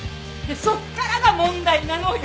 そっからが問題なのよ！